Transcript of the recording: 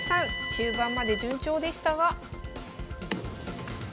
中盤まで順調でしたが。